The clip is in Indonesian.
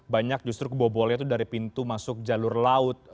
banyak justru kebobolannya itu dari pintu masuk jalur laut